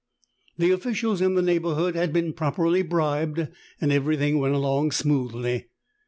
The officials in the neighborhood had been properly bribed, and everything went along smoothly.